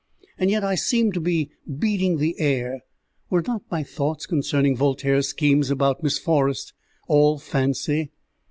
And yet I seemed to be beating the air. Were not my thoughts concerning Voltaire's schemes about Miss Forrest all fancy?